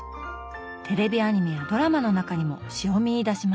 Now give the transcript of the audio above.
テレビアニメやドラマの中にも詩を見いだします。